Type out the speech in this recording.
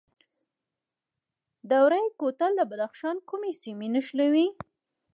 دوره کوتل د بدخشان کومې سیمې نښلوي؟